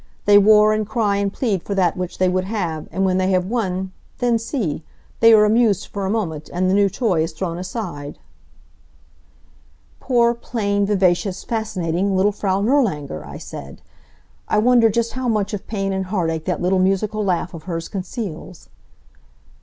"They war and cry and plead for that which they would have, and when they have won, then see! They are amused for a moment, and the new toy is thrown aside." "Poor, plain, vivacious, fascinating little Frau Nirlanger!" I said. "I wonder just how much of pain and heartache that little musical laugh of hers conceals?"